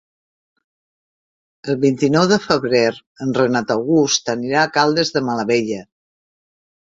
El vint-i-nou de febrer en Renat August anirà a Caldes de Malavella.